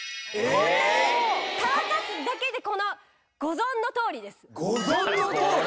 こんなに乾かすだけでこのご存のとおりですご存のとおり？